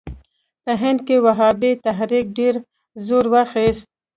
په هند کې وهابي تحریک ډېر زور واخیست.